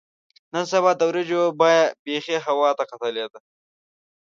نن سبا د وریجو بیه بیخي هوا ته ختلې ده.